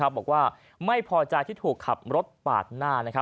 บอกว่าไม่พอใจที่ถูกขับรถปาดหน้า